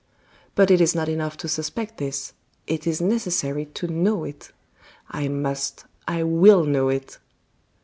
But it is not enough to suspect this, it is necessary to know it. I must I will know it!"